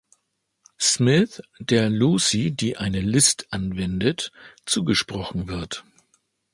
Smith, der Lucy, die eine List anwendet, zugesprochen wird.